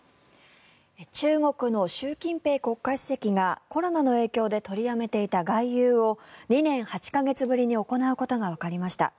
中国の習近平国家主席がコロナの影響で取りやめていた外遊を２年８か月ぶりに行うことがわかりました。